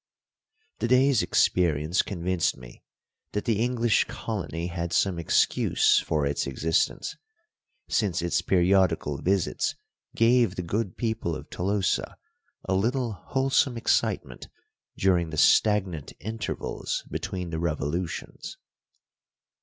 The day's experience convinced me that the English colony had some excuse forits existence, since its periodical visits gave the good people of Tolosa a little wholesome excitement during the stagnant intervals between the revolutions.